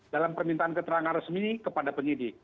dalam permintaan keterangan resmi kepada penyidik